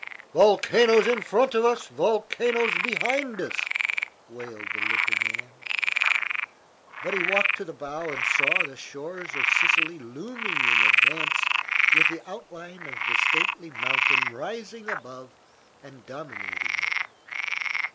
"Volcanoes in front of us, volcanoes behind us!" wailed the little man. But he walked to the bow and saw the shores of Sicily looming in advance, with the outline of the stately mountain rising above and dominating it.